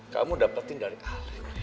kamu dapatkan dari alec